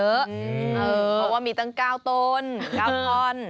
เพราะว่ามีตั้ง๙ต้น